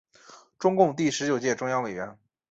中共第十九届中央委员。